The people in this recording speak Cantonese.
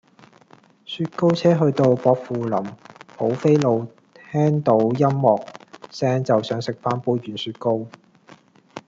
雪糕車去到薄扶林蒲飛路聽到音樂聲就想食返杯軟雪糕